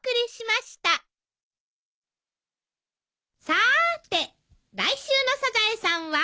さーて来週の『サザエさん』は？